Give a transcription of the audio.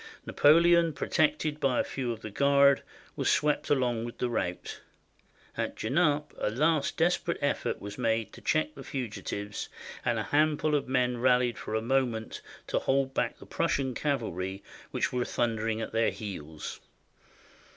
Napoleon, protected by a few of the Guard, was swept along with the rout. At Genappe a last des perate effort was made to check the fugitives, and a hand ful of men rallied for a moment to hold back the Prussian cavalry that were thundering at their heels.